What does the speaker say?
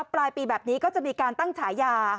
ปลายปีแบบนี้ก็จะมีการตั้งฉายา